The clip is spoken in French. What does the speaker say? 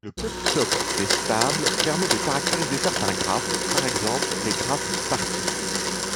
Le polytope des stables permet de caractériser certains graphes, par exemple les graphes bipartis.